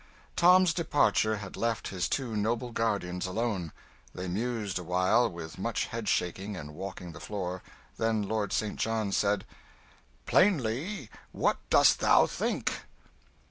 Tom's departure had left his two noble guardians alone. They mused a while, with much head shaking and walking the floor, then Lord St. John said "Plainly, what dost thou think?"